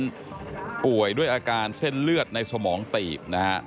ของออฟพงภัทรนั้นป่วยด้วยอาการเส้นเลือดในสมองตีบนะฮะ